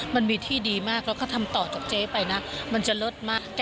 มันมีที่ดีมากแล้วก็ทำต่อจากเจ๊ไปนะมันจะเลิศมาก